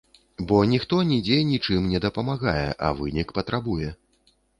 Бо ніхто нідзе нічым не дапамагае, а вынік патрабуе.